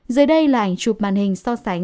dưới đây là ảnh chụp màn hình so sánh